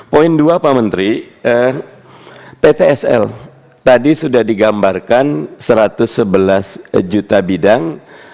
poin dua pak menteri ptsl tadi sudah digambarkan satu ratus sebelas juta bidang